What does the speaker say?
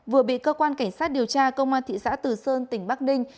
vừa bị cơ quan cảnh sát điều tra công an thị xã từ sơn tỉnh bắc ninh